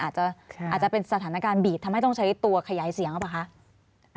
อาจจะเป็นสถานการณ์บีบทำให้ต้องใช้ตัวขยายเสียงหรือเปล่าคะ